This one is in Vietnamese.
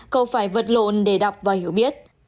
cậu phải vật lộn để đọc và hiểu biết